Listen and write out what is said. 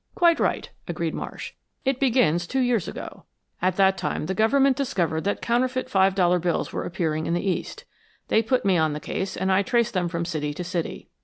"Quite right," agreed Marsh. "It begins two years ago. At that time the Government discovered that counterfeit five dollar bills were appearing in the East. They put me on the case and I traced them from city to city.